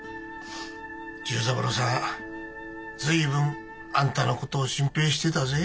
重三郎さん随分あんたの事を心配してたぜ。